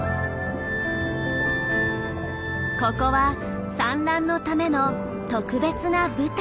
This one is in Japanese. ここは産卵のための特別な舞台。